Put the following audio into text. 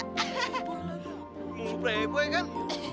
bukankah playboy kan